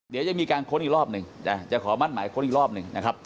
เดี๋ยวจะมีการค้นอีกรอบหนึ่งจะขอมั่นหมายค้นอีกรอบหนึ่งนะครับ